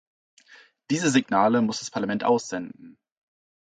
Diese Signale muss das Parlament aussenden.